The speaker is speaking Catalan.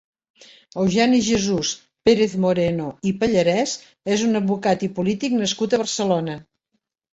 Eugeni-Jesús Pérez-Moreno i Pallarés és un advocat i polític nascut a Barcelona.